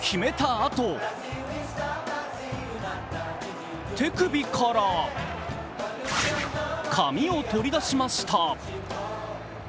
あと手首から紙を取り出しました。